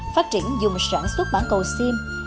phát triển dùng sản xuất mãn cầu sim